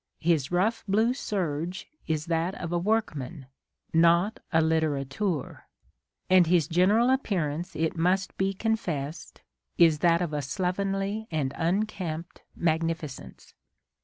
His rough blue serge is that of a workman, not a litterateur : and his general appearance, it must be confessed, is that of a slovenly and unkempt magnificence.